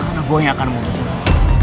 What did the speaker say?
karena gue yang akan mutusin lo